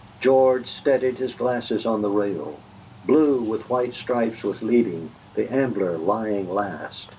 George steadied his glasses on the rail. Blue with white stripes was leading, the Ambler lying last.